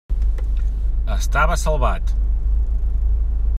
Estava salvat.